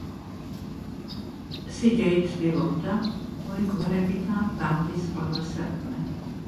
სიჯეი ცდილობდა, მოეგვარებინა ბანდის ყველა საქმე.